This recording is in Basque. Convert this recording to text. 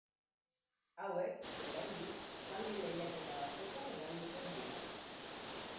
Hauek, oraindik, zaldi lehiaketa batzuetan erabiltzen dira.